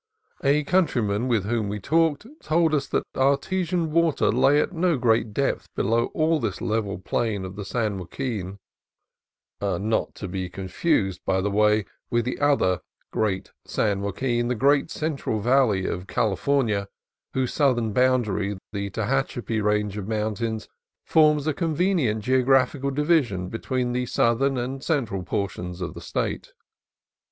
A countryman with whom we talked told us that artesian water lay at no great depth below all this level plain of the San Joaquin (not to be confounded, by the way, with the other San Joaquin, the great cen tral valley of California whose southern boundary, the Tehachapi Range of mountains, forms a con venient geographical division between the southern and central portions of the State).